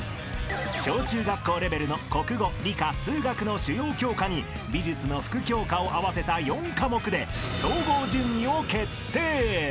［小中学校レベルの国語理科数学の主要教科に美術の副教科を合わせた４科目で］